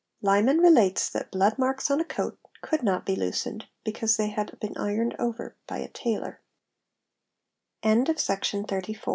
Liman relates that blood marks on a coat could not be loosened because they had been ironed over by a tailor 18 919), SEARCH FOR BLOOD MA